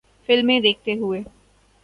فلمیں دیکھتے ہوئے